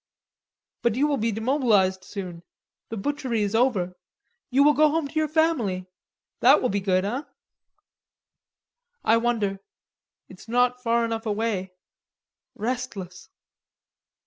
"But you will be demobilized soon; the butchery is over. You will go home to your family. That will be good, hein?" "I wonder. It's not far enough away. Restless!"